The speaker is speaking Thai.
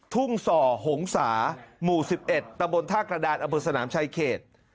ทุ่งส่อหงษามู่๑๑ตำรวจทากระดานอเบิร์สนามชายเขต